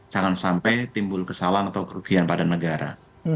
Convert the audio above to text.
jangan sampai timbul kesalahan atau kerugian pada negara